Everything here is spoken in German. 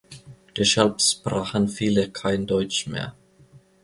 Deshalb sprachen viele kein Deutsch mehr.